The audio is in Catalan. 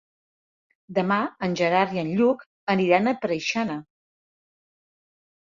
Demà en Gerard i en Lluc aniran a Preixana.